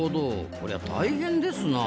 こりゃ大変ですな。